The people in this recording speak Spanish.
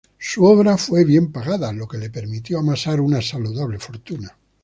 Su obra fue bien pagada, lo que le permitió amasar una saludable fortuna.